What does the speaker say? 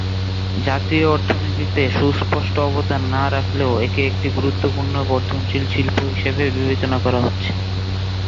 জাতীয় অর্থনীতিতে সুস্পষ্ট অবদান না রাখলেও, একে একটি গুরুত্বপূর্ণ বর্ধনশীল শিল্প হিসেবে বিবেচনা করা হচ্ছে।